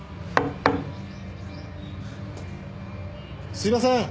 すいません。